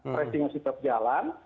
pressingnya tetap jalan